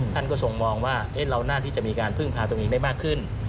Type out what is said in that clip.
ท่านก็ทรงมองว่าเราน่าที่จะมีการพึ่งพาตัวเองได้มากขึ้น